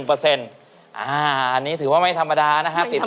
อาอันนี้ถือว่าไม่ธรรมดานะครับ